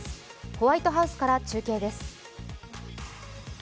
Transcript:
ホワイトハウスから中継です。